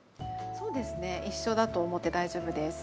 そうですね一緒だと思って大丈夫です。